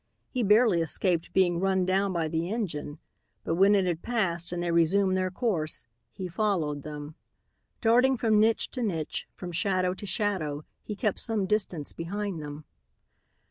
He barely escaped being run down by the engine, but when it had passed and they resumed their course, he followed them. Darting from niche to niche, from shadow to shadow, he kept some distance behind them.